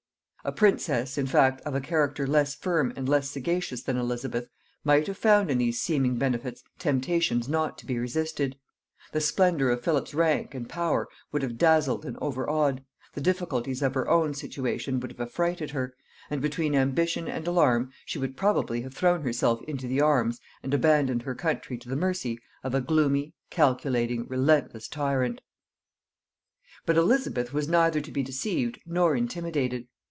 A princess, in fact, of a character less firm and less sagacious than Elizabeth, might have found in these seeming benefits temptations not to be resisted; the splendor of Philip's rank and power would have dazzled and overawed, the difficulties of her own situation would have affrighted her, and between ambition and alarm she would probably have thrown herself into the arms, and abandoned her country to the mercy, of a gloomy, calculating, relentless tyrant. But Elizabeth was neither to be deceived nor intimidated.